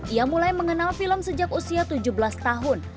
ia mulai mengenal film sejak usia tujuh belas tahun